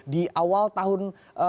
di awal tahun dua ribu enam belas